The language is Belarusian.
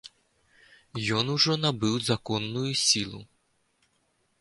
Ён ужо набыў законную сілу.